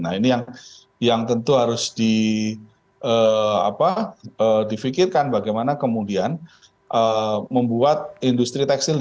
nah ini yang tentu harus difikirkan bagaimana kemudian membuat industri tekstil